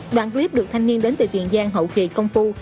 đoạn clip được thanh niên đến từ tiền giang hậu kỳ công phu